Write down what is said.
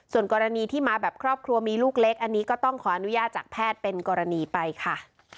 ส่วนกรณีที่มาแบบครอบครัวมีลูกเล็กอันนี้ก็ต้องขออนุญาตจากแพทย์เป็นกรณีไปค่ะ